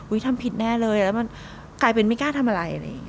ทำผิดแน่เลยแล้วมันกลายเป็นไม่กล้าทำอะไรอะไรอย่างนี้